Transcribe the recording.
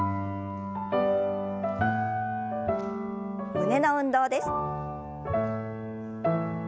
胸の運動です。